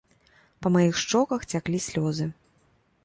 Па маіх шчоках цяклі слёзы.